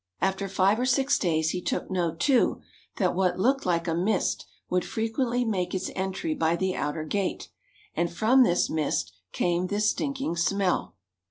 After five or six days he took note, too, that what looked like a mist would frequently make its entry by the outer gate, and from this mist came this stinking smell.